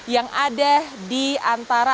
yang ada di antara